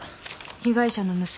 被害者の娘